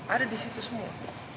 ada disitu semua